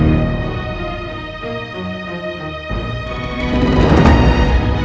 jalan aja susah